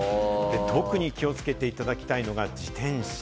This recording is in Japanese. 特に気をつけていただきたいのが自転車。